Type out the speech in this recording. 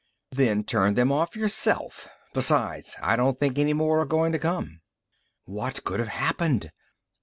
"Then turn them off yourself. Besides, I don't think any more are going to come." What could have happened?